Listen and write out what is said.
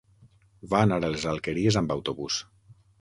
Va anar a les Alqueries amb autobús.